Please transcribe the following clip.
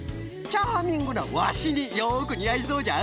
チャーミングなワシによくにあいそうじゃ。